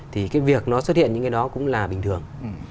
thì cái việc nó xuất hiện những cái đó cũng là bình thường